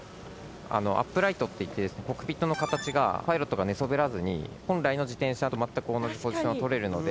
アップライトっていってコックピットの形がパイロットが寝そべらずに本来の自転車と全く同じポジションがとれるので。